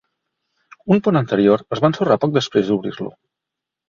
Un pont anterior es va ensorrar poc després d'obrir-lo.